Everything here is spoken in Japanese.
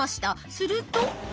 すると。